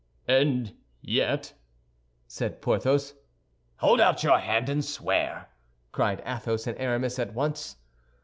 "And yet—" said Porthos. "Hold out your hand and swear!" cried Athos and Aramis at once.